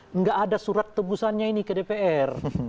tidak ada surat tebusannya ini ke dpr